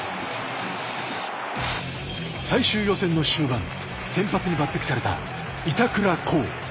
最終予選の終盤先発に抜てきされた板倉滉。